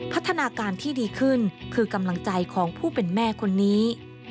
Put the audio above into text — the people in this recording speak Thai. พัฒนาการที่ดีขึ้นคือกำลังใจของผู้เป็นแม่คนนี้